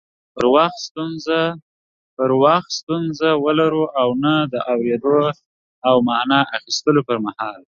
پر وخت ستونزه ولرو او نه د اوريدلو او معنی اخستلو پر مهال